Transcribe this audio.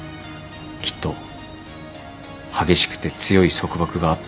きっと激しくて強い束縛があった。